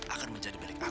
akan menjadi beli beli